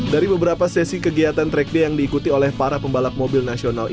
dari beberapa sesi kegiatan track day yang diikuti oleh para pembalap mobil nasional